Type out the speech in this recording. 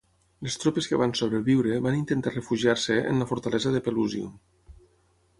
Les tropes que van sobreviure van intentar refugiar-se en la fortalesa de Pelusium.